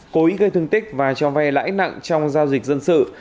cố ý gây thương tích và cho vay lãi nặng trong giao dịch dân sự